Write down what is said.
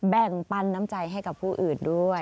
แบ่งปันน้ำใจให้กับผู้อื่นด้วย